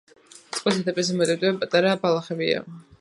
წყლის ზედაპირზე მოტივტივე პატარა ბალახებია.